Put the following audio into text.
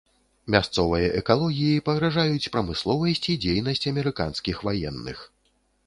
Мясцовай экалогіі пагражаюць прамысловасць і дзейнасць амерыканскіх ваенных.